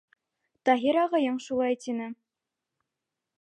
Таһир ағайың шулай тине.